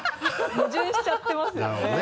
矛盾しちゃってますよね。